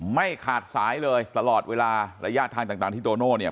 ไม่ขาดสายเลยตลอดเวลาระยะทางต่างที่โตโน่เนี่ย